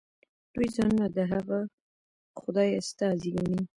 دوی ځانونه د هغه خدای استازي ګڼي.